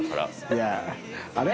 いやああれ？